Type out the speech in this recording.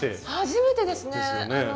初めてですよね。